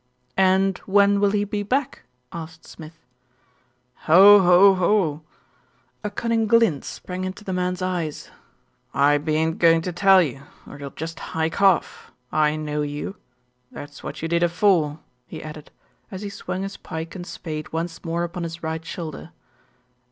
"And when will he be back?" asked Smith. "Ho I ho ! ho !" A cunning glint sprang into the man's eyes. "I beant going to tell you, or you'll just hike off, I know you That's what you did afore," he added, as he swung his pick and spade once more upon his right shoulder.